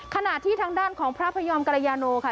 ขณะที่ทางด้านของพระพยอมกรยาโนค่ะ